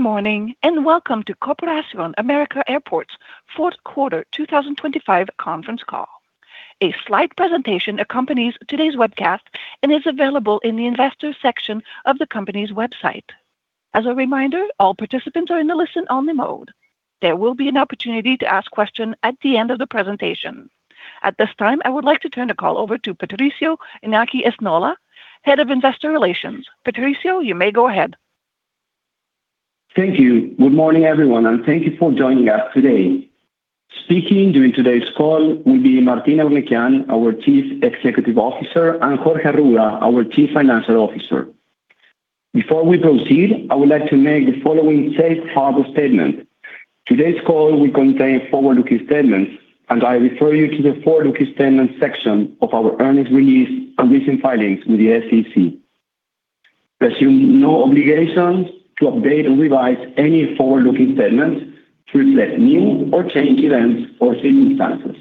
Good morning, and welcome to Corporación América Airports fourth quarter 2025 conference call. A slide presentation accompanies today's webcast and is available in the Investors section of the company's website. As a reminder, all participants are in the listen-only mode. There will be an opportunity to ask questions at the end of the presentation. At this time, I would like to turn the call over to Patricio Iñaki Esnaola, Head of Investor Relations. Patricio, you may go ahead. Thank you. Good morning, everyone, and thank you for joining us today. Speaking during today's call will be Martín Eurnekian, our Chief Executive Officer, and Jorge Arruda, our Chief Financial Officer. Before we proceed, I would like to make the following safe harbor statement. Today's call will contain forward-looking statements, and I refer you to the forward-looking statements section of our earnings release and recent filings with the SEC. We assume no obligations to update or revise any forward-looking statements to reflect new or changed events or circumstances.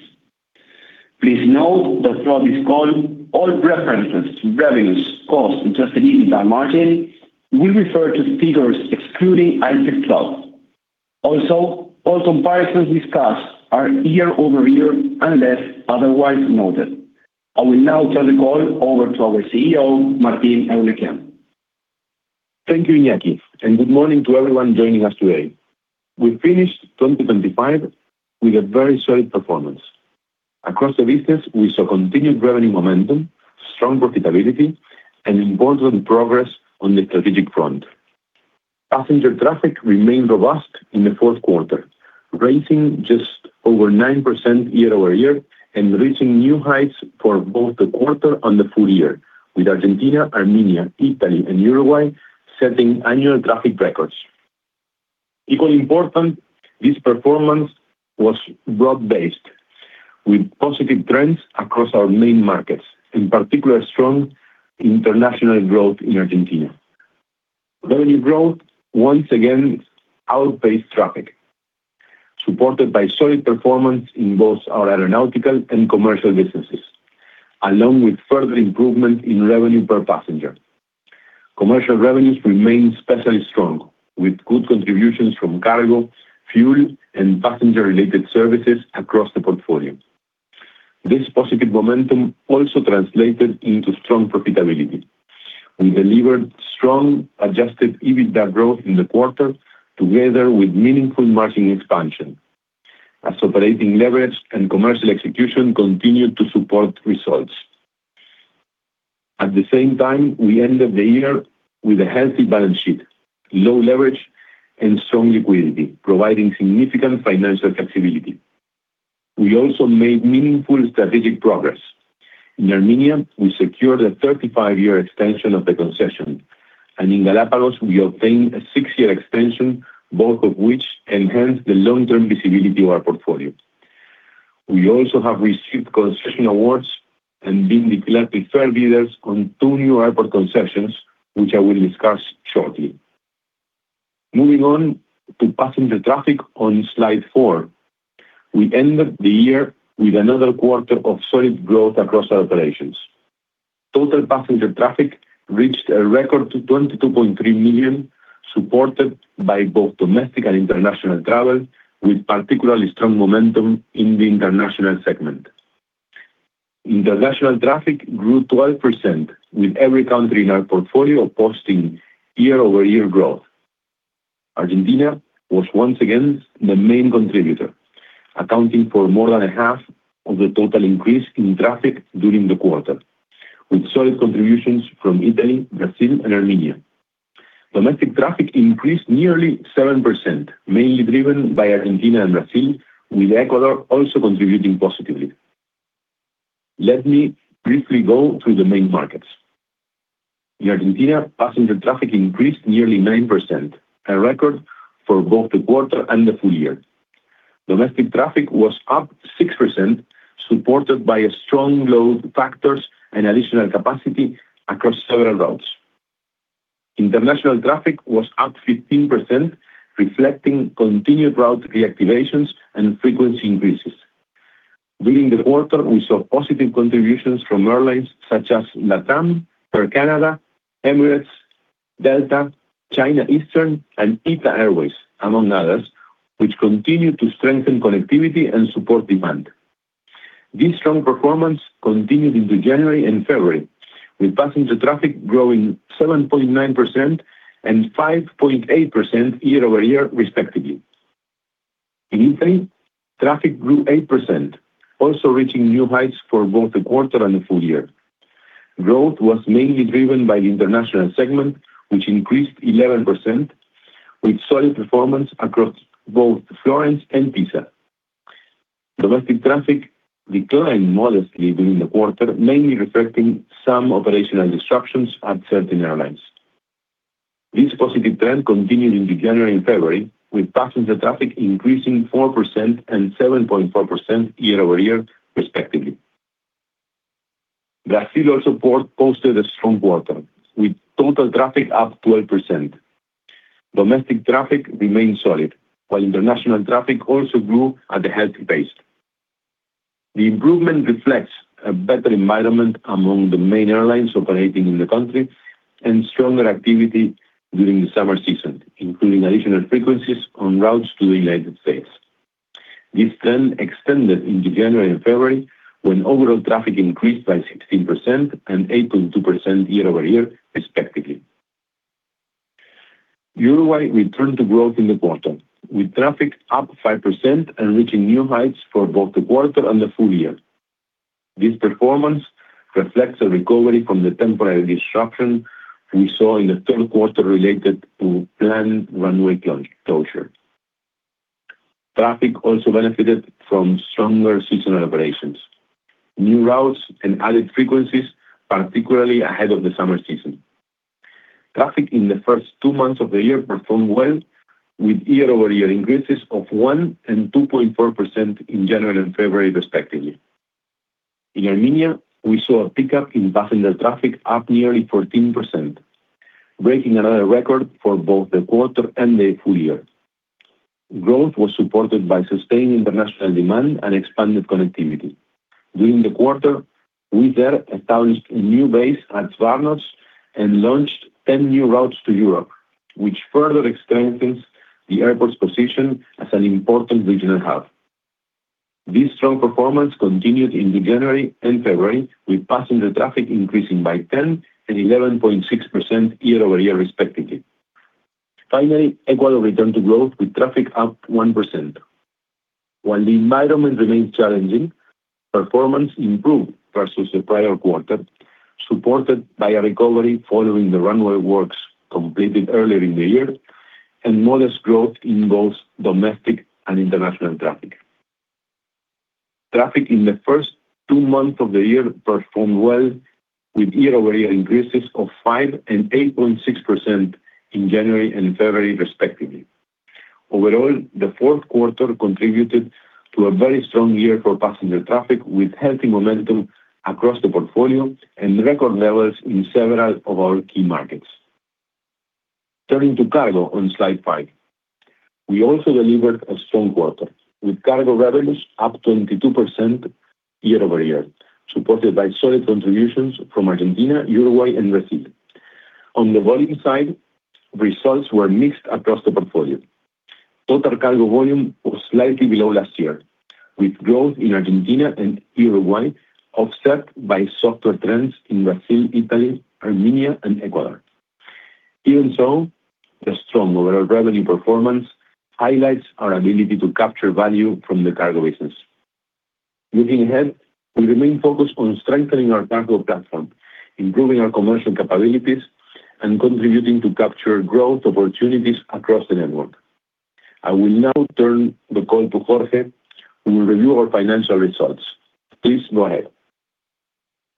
Please note that throughout this call, all references to revenues, costs, and Adjusted EBITDA margin will refer to figures excluding IFRIC 12. Also, all comparisons discussed are year-over-year unless otherwise noted. I will now turn the call over to our CEO, Martín Eurnekian. Thank you, Iñaki, and good morning to everyone joining us today. We finished 2025 with a very solid performance. Across the business, we saw continued revenue momentum, strong profitability, and important progress on the strategic front. Passenger traffic remained robust in the fourth quarter, raising just over 9% year-over-year and reaching new heights for both the quarter and the full year, with Argentina, Armenia, Italy, and Uruguay setting annual traffic records. Equally important, this performance was broad-based with positive trends across our main markets, in particular, strong international growth in Argentina. Revenue growth once again outpaced traffic, supported by solid performance in both our aeronautical and commercial businesses, along with further improvement in revenue per passenger. Commercial revenues remained especially strong, with good contributions from cargo, fuel, and passenger-related services across the portfolio. This positive momentum also translated into strong profitability. We delivered strong Adjusted EBITDA growth in the quarter together with meaningful margin expansion as operating leverage and commercial execution continued to support results. At the same time, we ended the year with a healthy balance sheet, low leverage, and strong liquidity, providing significant financial flexibility. We also made meaningful strategic progress. In Armenia, we secured a 35-year extension of the concession, and in Galapagos, we obtained a six-year extension, both of which enhance the long-term visibility of our portfolio. We also have received concession awards and been declared preferred bidders on two new airport concessions, which I will discuss shortly. Moving on to passenger traffic on slide four. We ended the year with another quarter of solid growth across our operations. Total passenger traffic reached a record 22.3 million, supported by both domestic and international travel, with particularly strong momentum in the international segment. International traffic grew 12%, with every country in our portfolio posting year-over-year growth. Argentina was once again the main contributor, accounting for more than half of the total increase in traffic during the quarter, with solid contributions from Italy, Brazil, and Armenia. Domestic traffic increased nearly 7%, mainly driven by Argentina and Brazil, with Ecuador also contributing positively. Let me briefly go through the main markets. In Argentina, passenger traffic increased nearly 9%, a record for both the quarter and the full year. Domestic traffic was up 6%, supported by strong load factors and additional capacity across several routes. International traffic was up 15%, reflecting continued route reactivations and frequency increases. During the quarter, we saw positive contributions from airlines such as LATAM, Air Canada, Emirates, Delta, China Eastern, and ITA Airways, among others, which continue to strengthen connectivity and support demand. This strong performance continued into January and February, with passenger traffic growing 7.9% and 5.8% year-over-year, respectively. In Italy, traffic grew 8%, also reaching new heights for both the quarter and the full year. Growth was mainly driven by the international segment, which increased 11%, with solid performance across both Florence and Pisa. Domestic traffic declined modestly during the quarter, mainly reflecting some operational disruptions at certain airlines. This positive trend continued into January and February, with passenger traffic increasing 4% and 7.4% year-over-year, respectively. Brazil also posted a strong quarter, with total traffic up 12%. Domestic traffic remained solid, while international traffic also grew at a healthy pace. The improvement reflects a better environment among the main airlines operating in the country and stronger activity during the summer season, including additional frequencies on routes to the United States. This trend extended into January and February, when overall traffic increased by 16% and 8.2% year-over-year respectively. Uruguay returned to growth in the quarter, with traffic up 5% and reaching new heights for both the quarter and the full year. This performance reflects a recovery from the temporary disruption we saw in the third quarter related to planned runway closure. Traffic also benefited from stronger seasonal operations, new routes and added frequencies, particularly ahead of the summer season. Traffic in the first two months of the year performed well, with year-over-year increases of 1% and 2.4% in January and February, respectively. In Armenia, we saw a pickup in passenger traffic up nearly 14%, breaking another record for both the quarter and the full year. Growth was supported by sustained international demand and expanded connectivity. During the quarter, Wizz Air established a new base at Zvartnots and launched 10 new routes to Europe, which further strengthens the airport's position as an important regional hub. This strong performance continued into January and February, with passenger traffic increasing by 10% and 11.6% year-over-year, respectively. Finally, Ecuador returned to growth with traffic up 1%. While the environment remains challenging, performance improved versus the prior quarter, supported by a recovery following the runway works completed earlier in the year and modest growth in both domestic and international traffic. Traffic in the first two months of the year performed well with year-over-year increases of 5% and 8.6% in January and February, respectively. Overall, the fourth quarter contributed to a very strong year for passenger traffic, with healthy momentum across the portfolio and record levels in several of our key markets. Turning to cargo on slide five. We also delivered a strong quarter, with cargo revenues up 22% year-over-year, supported by solid contributions from Argentina, Uruguay and Brazil. On the volume side, results were mixed across the portfolio. Total cargo volume was slightly below last year, with growth in Argentina and Uruguay offset by softer trends in Brazil, Italy, Armenia and Ecuador. Even so, the strong overall revenue performance highlights our ability to capture value from the cargo business. Looking ahead, we remain focused on strengthening our cargo platform, improving our commercial capabilities, and contributing to capture growth opportunities across the network. I will now turn the call to Jorge, who will review our financial results. Please go ahead.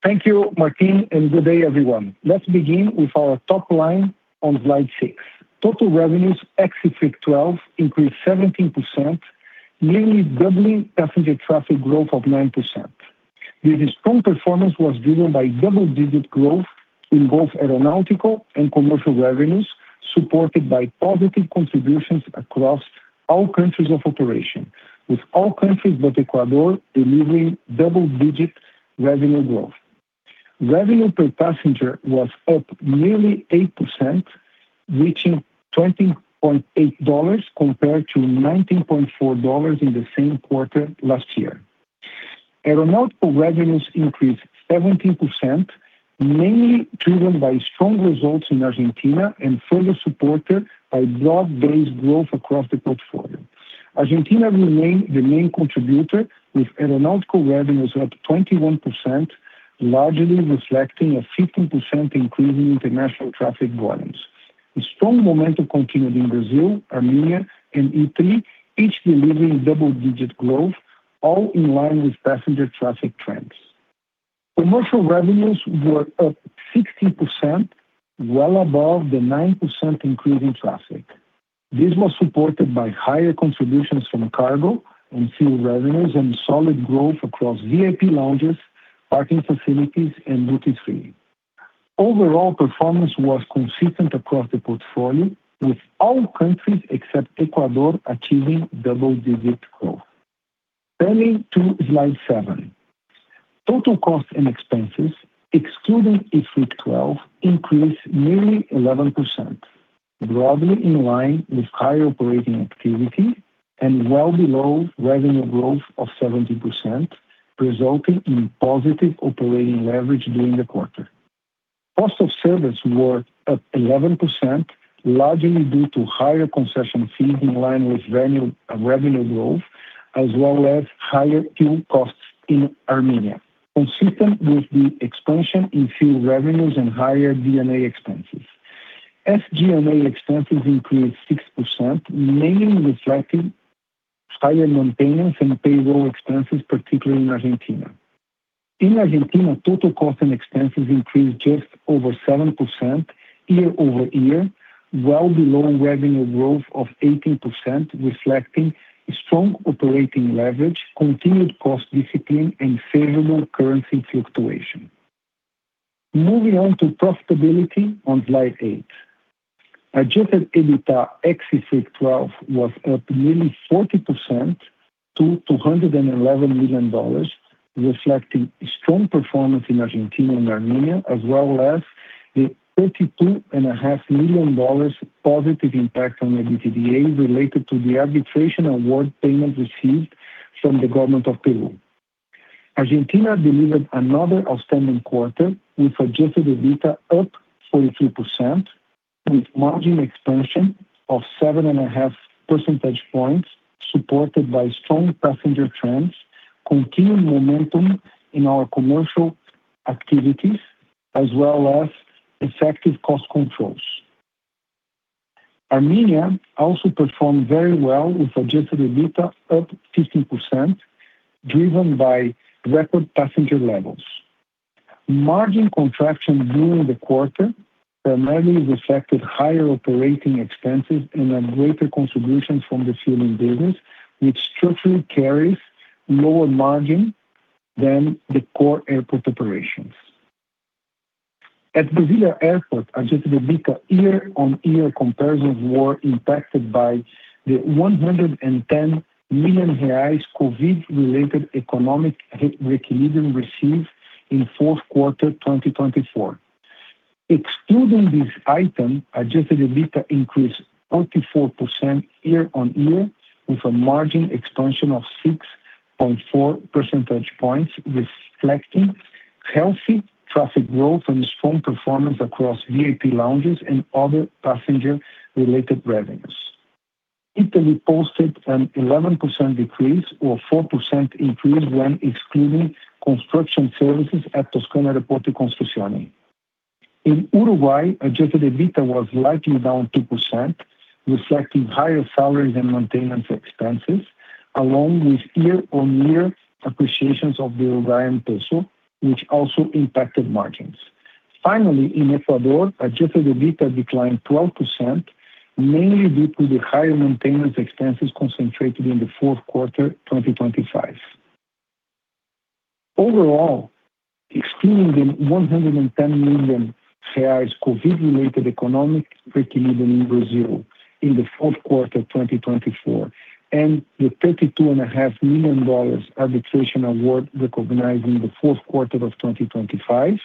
Thank you, Martín, and good day, everyone. Let's begin with our top line on slide six. Total revenues ex-IFRIC 12 increased 17%, nearly doubling passenger traffic growth of 9%. This strong performance was driven by double-digit growth in both aeronautical and commercial revenues, supported by positive contributions across all countries of operation, with all countries but Ecuador delivering double-digit revenue growth. Revenue per passenger was up nearly 8%, reaching $20.8 compared to $19.4 in the same quarter last year. Aeronautical revenues increased 17%, mainly driven by strong results in Argentina and further supported by broad-based growth across the portfolio. Argentina remained the main contributor, with aeronautical revenues up 21%, largely reflecting a 15% increase in international traffic volumes. The strong momentum continued in Brazil, Armenia and Italy, each delivering double-digit growth, all in line with passenger traffic trends. Commercial revenues were up 16%, well above the 9% increase in traffic. This was supported by higher contributions from cargo and fuel revenues and solid growth across VIP lounges, parking facilities and duty-free. Overall performance was consistent across the portfolio, with all countries except Ecuador achieving double-digit growth. Turning to slide seven. Total costs and expenses excluding IFRIC 12 increased nearly 11%, broadly in line with higher operating activity and well below revenue growth of 17%, resulting in positive operating leverage during the quarter. Cost of services were up 11%, largely due to higher concession fees in line with revenue growth, as well as higher fuel costs in Armenia, consistent with the expansion in fuel revenues and higher D&A expenses. SG&A expenses increased 6%, mainly reflecting higher non-payroll and payroll expenses, particularly in Argentina. In Argentina, total costs and expenses increased just over 7% year-over-year, well below revenue growth of 18%, reflecting strong operating leverage, continued cost discipline and favorable currency fluctuation. Moving on to profitability on slide eight. Adjusted EBITDA ex-IFRIC 12 was up nearly 40% to $211 million, reflecting strong performance in Argentina and Armenia, as well as the $32.5 million positive impact on EBITDA related to the arbitration award payment received from the government of Peru. Argentina delivered another outstanding quarter with Adjusted EBITDA up 43% with margin expansion of 7.5 percentage points, supported by strong passenger trends, continued momentum in our commercial activities as well as effective cost controls. Armenia also performed very well with Adjusted EBITDA up 15% driven by record passenger levels. Margin contraction during the quarter primarily reflected higher operating expenses and a greater contribution from the fueling business, which structurally carries lower margin than the core airport operations. At Brasilia Airport, Adjusted EBITDA year-on-year comparisons were impacted by the 110 million reais COVID-related economic reequilibrium received in fourth quarter 2024. Excluding this item, Adjusted EBITDA increased 34% year-on-year with a margin expansion of 6.4 percentage points, reflecting healthy traffic growth and strong performance across VIP lounges and other passenger-related revenues. Italy posted an 11% decrease or 4% increase when excluding construction services at Toscana Aeroporti Costruzioni. In Uruguay, Adjusted EBITDA was slightly down 2%, reflecting higher salaries and maintenance expenses, along with year-over-year appreciations of the Uruguayan peso, which also impacted margins. Finally, in Ecuador, Adjusted EBITDA declined 12%, mainly due to the higher maintenance expenses concentrated in the fourth quarter 2025. Overall, excluding the 110 million reais COVID-related economic reequilibrium in Brazil in the fourth quarter 2024 and the $32.5 million arbitration award recognized in the fourth quarter of 2025,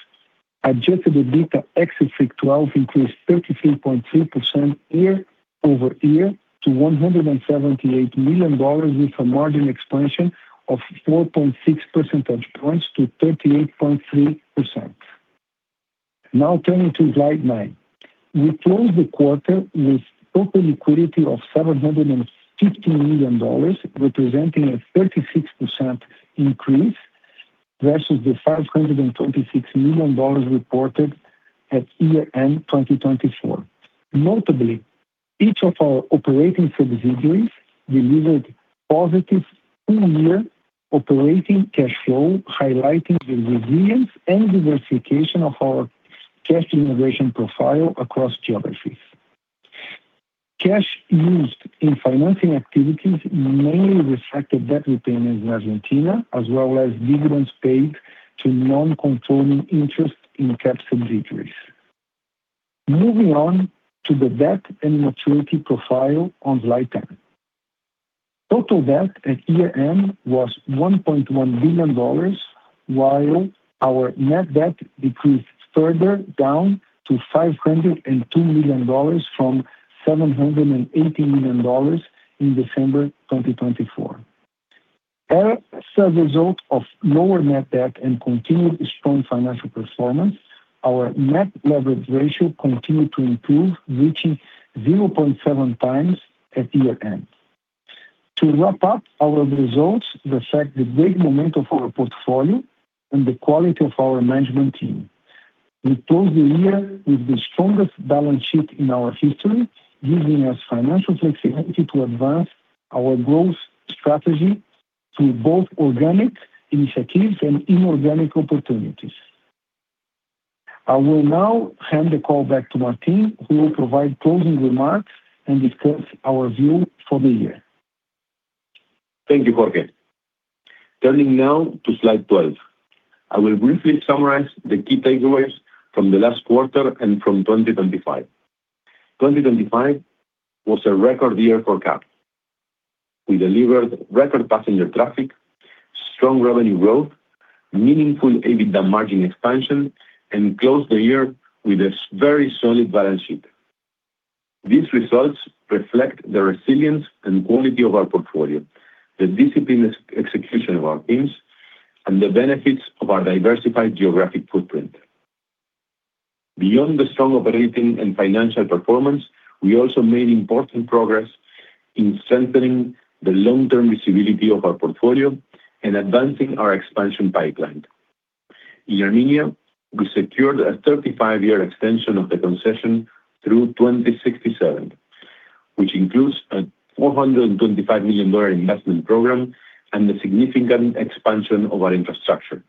Adjusted EBITDA ex SG&A increased 33.3% year-over-year to $178 million with a margin expansion of 4.6 percentage points to 38.3%. Now turning to slide nine. We closed the quarter with total liquidity of $750 million, representing a 36% increase versus the $526 million reported at year-end 2024. Notably, each of our operating subsidiaries delivered positive full-year operating cash flow, highlighting the resilience and diversification of our cash generation profile across geographies. Cash used in financing activities mainly reflected debt repayments in Argentina as well as dividends paid to non-controlling interest in CAAP subsidiaries. Moving on to the debt and maturity profile on slide 10. Total debt at year-end was $1.1 billion, while our net debt decreased further down to $502 million from $780 million in December 2024. As a result of lower net debt and continued strong financial performance, our net leverage ratio continued to improve, reaching 0.7 times at year-end. To wrap up, our results reflect the great momentum of our portfolio and the quality of our management team. We closed the year with the strongest balance sheet in our history, giving us financial flexibility to advance our growth strategy through both organic initiatives and inorganic opportunities. I will now hand the call back to Martín, who will provide closing remarks and discuss our view for the year. Thank you, Jorge. Turning now to slide 12. I will briefly summarize the key takeaways from the last quarter and from 2025. 2025 was a record year for CAAP. We delivered record passenger traffic, strong revenue growth, meaningful EBITDA margin expansion, and closed the year with a very solid balance sheet. These results reflect the resilience and quality of our portfolio, the disciplined execution of our teams, and the benefits of our diversified geographic footprint. Beyond the strong operating and financial performance, we also made important progress in cementing the long-term visibility of our portfolio and advancing our expansion pipeline. In Armenia, we secured a 35-year extension of the concession through 2067, which includes a $425 million investment program and a significant expansion of our infrastructure.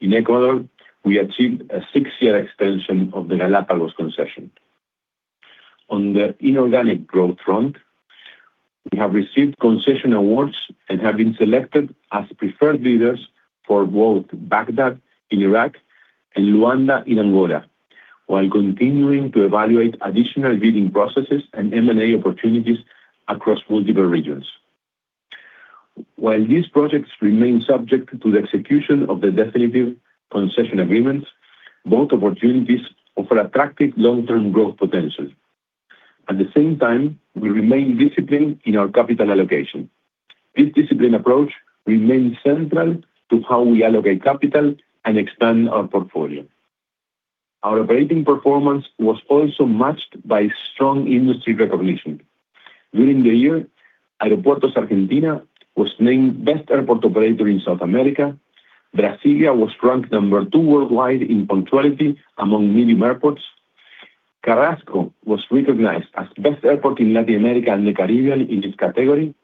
In Ecuador, we achieved a 6-year extension of the Galapagos concession. On the inorganic growth front, we have received concession awards and have been selected as preferred bidders for both Baghdad in Iraq and Luanda in Angola, while continuing to evaluate additional bidding processes and M&A opportunities across multiple regions. While these projects remain subject to the execution of the definitive concession agreement, both opportunities offer attractive long-term growth potential. At the same time, we remain disciplined in our capital allocation. This disciplined approach remains central to how we allocate capital and expand our portfolio. Our operating performance was also matched by strong industry recognition. During the year, Aeropuertos Argentina was named Best Airport Operator in South America. Brasília was ranked number two worldwide in punctuality among medium airports. Carrasco was recognized as Best Airport in Latin America and the Caribbean in its category,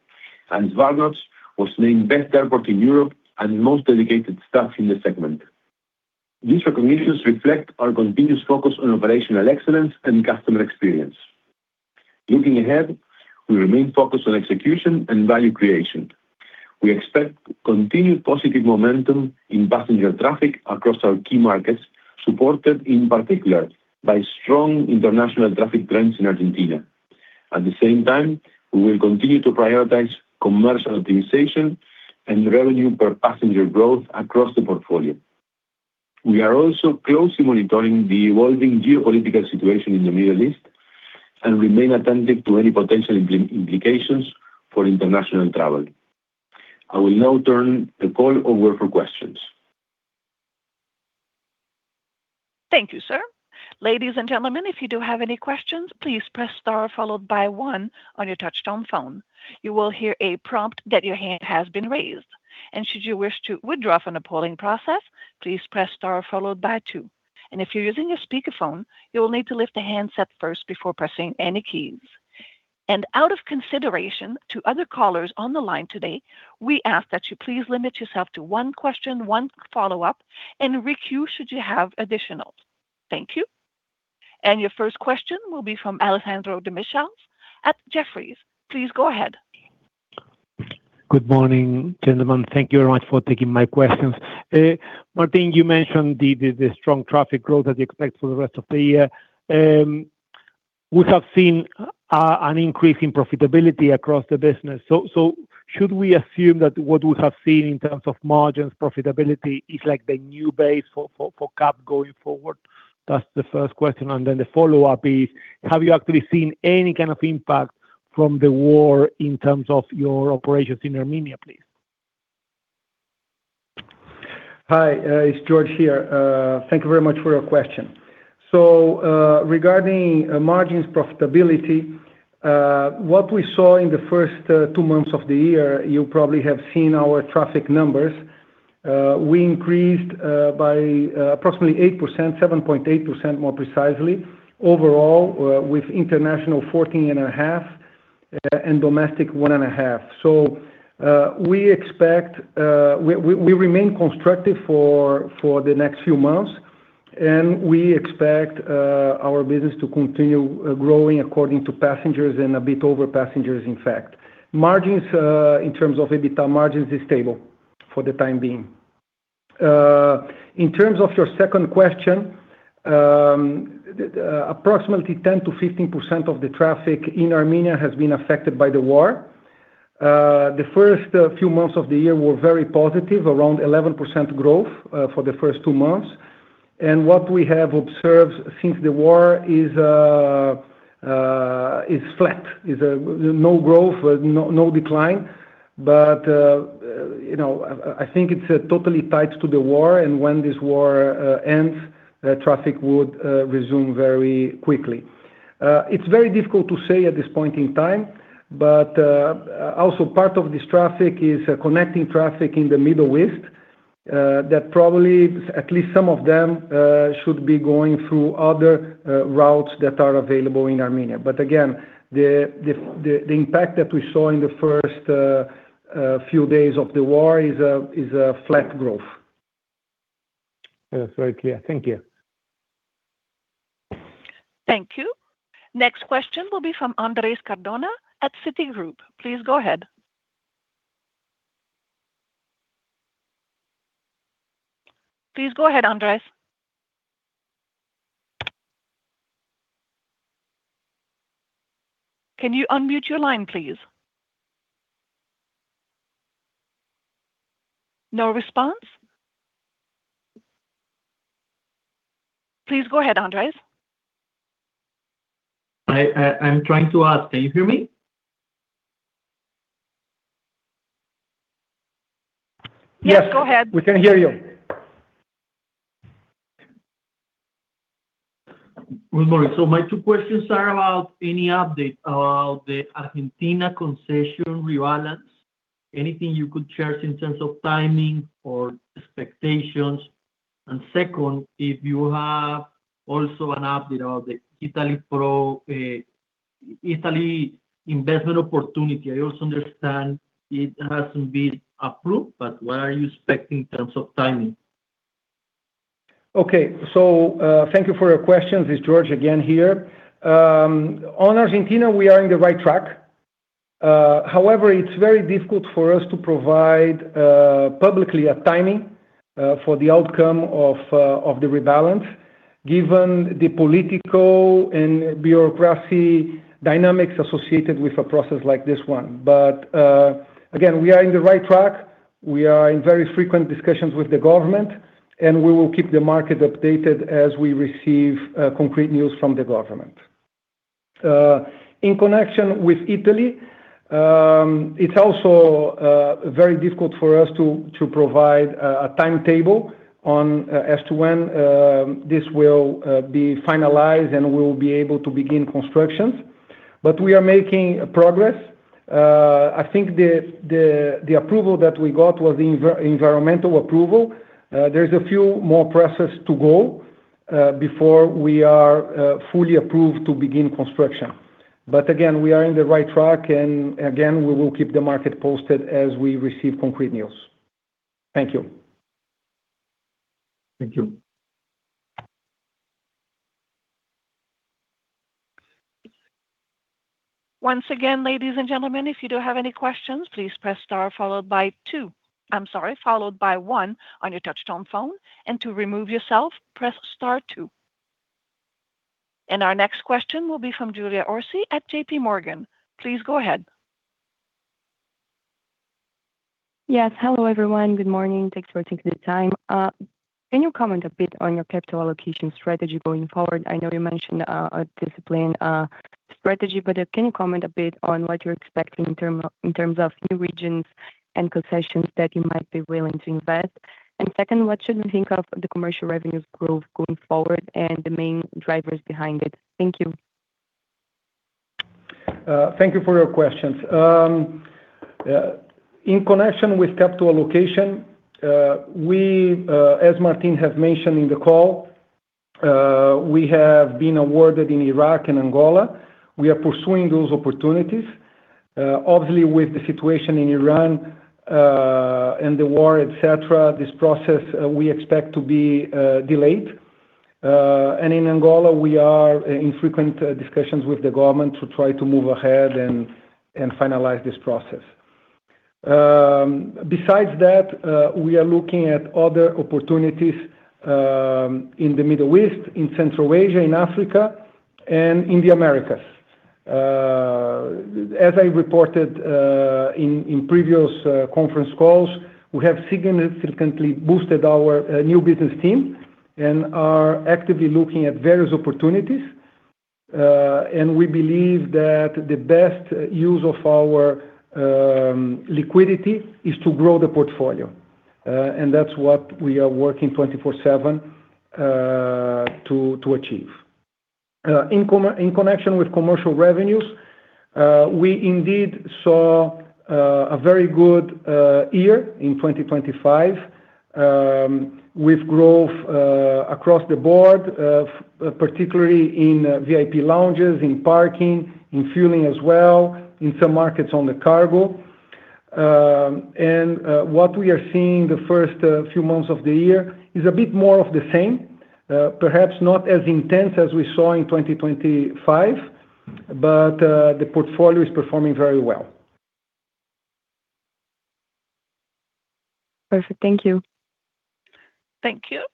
and Zvartnots was named Best Airport in Europe and Most Dedicated Staff in the segment. These recognitions reflect our continuous focus on operational excellence and customer experience. Looking ahead, we remain focused on execution and value creation. We expect continued positive momentum in passenger traffic across our key markets, supported in particular by strong international traffic trends in Argentina. At the same time, we will continue to prioritize commercial optimization and revenue per passenger growth across the portfolio. We are also closely monitoring the evolving geopolitical situation in the Middle East and remain attentive to any potential implications for international travel. I will now turn the call over for questions. Thank you, sir. Ladies and gentlemen, if you do have any questions, please press star followed by one on your touch-tone phone. You will hear a prompt that your hand has been raised. Should you wish to withdraw from the polling process, please press star followed by two. If you're using a speakerphone, you will need to lift the handset first before pressing any keys. Out of consideration to other callers on the line today, we ask that you please limit yourself to one question, one follow-up, and re-queue should you have additional. Thank you. Your first question will be from Alejandro Demichelis at Jefferies. Please go ahead. Good morning, gentlemen. Thank you very much for taking my questions. Martin, you mentioned the strong traffic growth that you expect for the rest of the year. We have seen an increase in profitability across the business. Should we assume that what we have seen in terms of margins profitability is like the new base for CAAP going forward? That's the first question. The follow-up is, have you actually seen any kind of impact from the war in terms of your operations in Armenia, please? Hi, it's Jorge here. Thank you very much for your question. Regarding margins profitability, what we saw in the first two months of the year, you probably have seen our traffic numbers. We increased by approximately 8%, 7.8% more precisely overall, with international 14.5% and domestic 1.5%. We remain constructive for the next few months, and we expect our business to continue growing according to passengers and a bit over passengers, in fact. Margins in terms of EBITDA margins is stable for the time being. In terms of your second question, approximately 10%-15% of the traffic in Armenia has been affected by the war. The first few months of the year were very positive, around 11% growth for the first two months. What we have observed since the war is flat, no growth, no decline, but you know, I think it's totally tied to the war, and when this war ends, traffic would resume very quickly. It's very difficult to say at this point in time, but also part of this traffic is connecting traffic in the Middle East that probably, at least some of them, should be going through other routes that are available in Armenia. Again, the impact that we saw in the first few days of the war is flat growth. Yes, very clear. Thank you. Thank you. Next question will be from Andrés Cardona at Citigroup. Please go ahead. Please go ahead, Andrés. Can you unmute your line, please? No response. Please go ahead, Andrés. I'm trying to ask. Can you hear me? Yes, go ahead. Yes, we can hear you. Good morning. My two questions are about any update about the Argentina concession rebalance, anything you could share in terms of timing or expectations. Second, if you have also an update of the Italy investment opportunity. I also understand it hasn't been approved, but what are you expecting in terms of timing? Okay. Thank you for your questions. It's Jorge Arruda again here. On Argentina, we are on the right track. However, it's very difficult for us to provide publicly a timing for the outcome of the economic reequilibrium given the political and bureaucracy dynamics associated with a process like this one. Again, we are on the right track. We are in very frequent discussions with the government, and we will keep the market updated as we receive concrete news from the government. In connection with Italy, it's also very difficult for us to provide a timetable as to when this will be finalized and we'll be able to begin construction. We are making progress. I think the approval that we got was environmental approval. There's a few more processes to go before we are fully approved to begin construction. Again, we are on the right track, and again, we will keep the market posted as we receive concrete news. Thank you. Thank you. Once again, ladies and gentlemen, if you do have any questions, please press star followed by two. I'm sorry, followed by one on your touchtone phone. To remove yourself, press star two. Our next question will be from Julia Orsi at J.P. Morgan. Please go ahead. Yes. Hello, everyone. Good morning. Thanks for taking the time. Can you comment a bit on your capital allocation strategy going forward? I know you mentioned a disciplined strategy, but can you comment a bit on what you're expecting in terms of new regions and concessions that you might be willing to invest? Second, what should we think of the commercial revenues growth going forward and the main drivers behind it? Thank you. Thank you for your questions. In connection with capital allocation, as Martín have mentioned in the call, we have been awarded in Iraq and Angola. We are pursuing those opportunities. Obviously, with the situation in Iran and the war, et cetera, this process we expect to be delayed. In Angola, we are in frequent discussions with the government to try to move ahead and finalize this process. Besides that, we are looking at other opportunities in the Middle East, in Central Asia, in Africa, and in the Americas. As I reported in previous conference calls, we have significantly boosted our new business team and are actively looking at various opportunities. We believe that the best use of our liquidity is to grow the portfolio. That's what we are working 24/7 to achieve. In connection with commercial revenues, we indeed saw a very good year in 2025, with growth across the board, particularly in VIP lounges, in parking, in fueling as well, in some markets on the cargo. What we are seeing the first few months of the year is a bit more of the same. Perhaps not as intense as we saw in 2025, but the portfolio is performing very well. Perfect. Thank you. Thank you.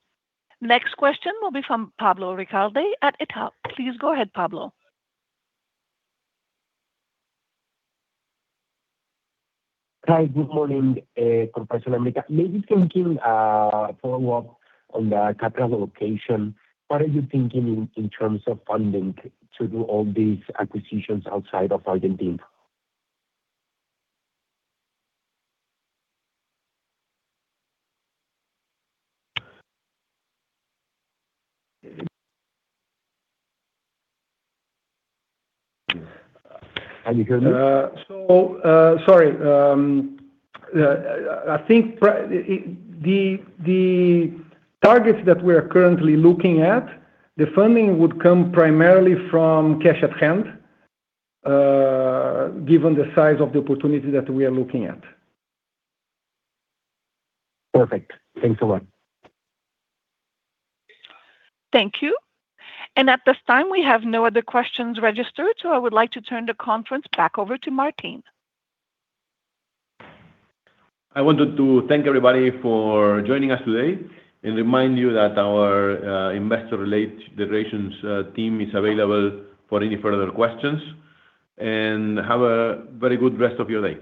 Next question will be from Pablo Riccardi at Itaú. Please go ahead, Pablo. Hi, good morning, Corporación América. Maybe can you follow up on the capital allocation, what are you thinking in terms of funding to do all these acquisitions outside of Argentina? Can you hear me? Sorry. I think the targets that we are currently looking at, the funding would come primarily from cash at hand, given the size of the opportunity that we are looking at. Perfect. Thanks a lot. Thank you. At this time, we have no other questions registered, so I would like to turn the conference back over to Martín. I wanted to thank everybody for joining us today and remind you that our investor relations team is available for any further questions. Have a very good rest of your day.